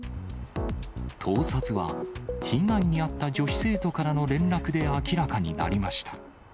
盗撮は、被害に遭った女子生徒からの連絡で明らかになりました。